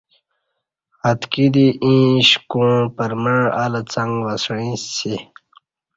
اتکی دی ایں ایݩش کوعں پرمع الہ څنگ وسعی سی